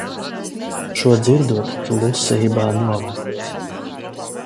Šo dzirdot, klusībā novaidos...